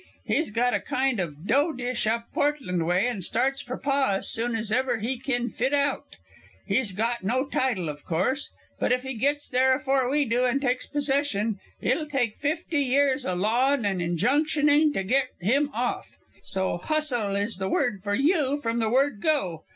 He's got a kind of dough dish up Portland way and starts for Paa as soon as ever he kin fit out. He's got no title, in course, but if he gits there afore we do and takes possession it'll take fifty years o' lawing an' injunctioning to git him off. So hustle is the word for you from the word 'go.'